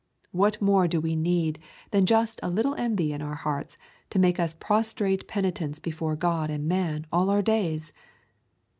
What more do we need than just a little envy in our hearts to make us prostrate penitents before God and man all our days?